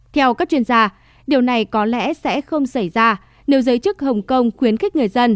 theo các chuyên gia điều này có lẽ sẽ không xảy ra nếu giới chức hồng kông khuyến khích người dân